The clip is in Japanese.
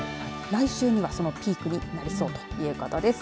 来週には、そのピークになりそうということです。